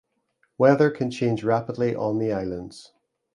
Weather can change rapidly on the islands.